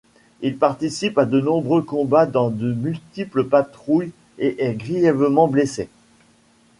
Il participe à de nombreux combats dans de multiples patrouilles et est grièvement blessé.